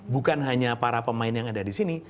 bukan hanya para pemain yang ada disini